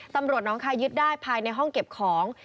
ตำรวจน้องคายยึดได้ภายในห้องเก็บของ